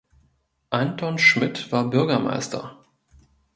Anton Schmid war Bürgermeister.